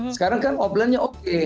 sekarang kan offlinenya oke